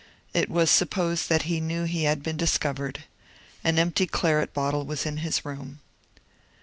It was supposed that he knew he had been discovered. An empty claret bottle was in his room.